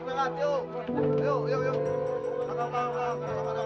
berangkat mas berangkat ya